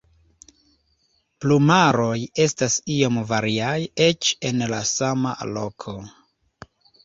Plumaroj estas iom variaj eĉ en la sama loko.